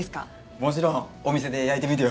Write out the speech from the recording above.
もちろんお店で焼いてみてよ